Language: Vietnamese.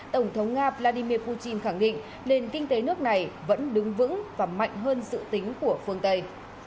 tổng thống nga vladimir putin khẳng định nền kinh tế nước này vẫn đứng vững và mạnh hơn dự tính của phương tây